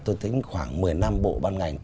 tôi tính khoảng một mươi năm bộ ban ngành